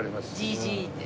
「じいじ」って？